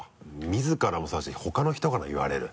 自らもそうだし他の人からも言われる。